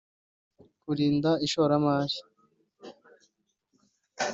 kurinda ishoramari